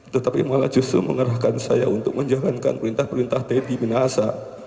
tetapi malah justru mengerahkan saya untuk menjalankan perintah perintah teddy minahasa